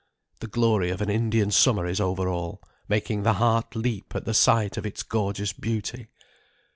The glory of an Indian summer is over all, making the heart leap at the sight of its gorgeous beauty.